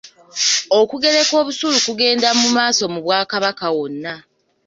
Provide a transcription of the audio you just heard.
Okugereka busuulu kugenda mumaaso mu Bwakabaka wonna.